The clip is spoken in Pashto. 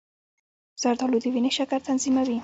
زردآلو د وینې شکر تنظیموي.